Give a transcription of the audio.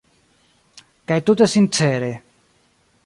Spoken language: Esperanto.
Kaj tute sincere.